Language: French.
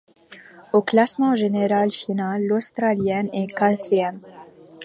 Au classement général final, l'Australienne est quatrième.